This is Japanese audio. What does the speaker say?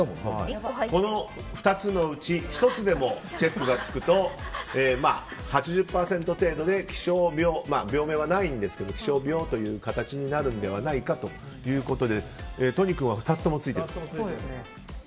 この２つのうち１つでもチェックがつくと８０％程度で気象病、病名はないんですが気象病という形になるんではないかということで都仁君は２つともついていると。